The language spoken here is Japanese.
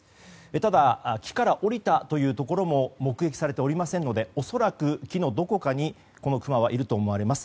ただ、木から下りたところも目撃されていませんので恐らく、木のどこかにこのクマはいると思われます。